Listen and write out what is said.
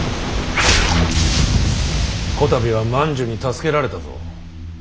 こたびは万寿に助けられたぞ。